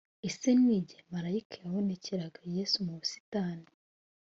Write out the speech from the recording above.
ese ni igihe marayika yabonekeraga yesu mu busitani